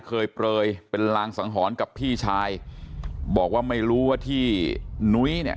เปลยเป็นลางสังหรณ์กับพี่ชายบอกว่าไม่รู้ว่าที่นุ้ยเนี่ย